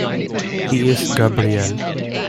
He is Gabriel.